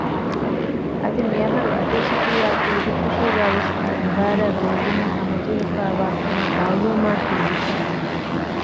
އަދި މިއަހަރު އައްޑޫ ސިޓީއާއި ކުޅުދުއްފުށީގައި ވެސް މި މުބާރާތް ބޭއްވުމަށް ހަމަޖެހިފައިވާކަމަށް މައުލޫމާތު ލިބިފައިވެ